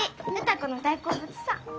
歌子の大好物さ。